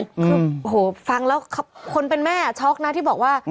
คือโหฟังแล้วคนเป็นแม่ช็อกนะที่บอกว่า